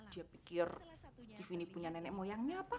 dia pikir tv ini punya nenek moyangnya apa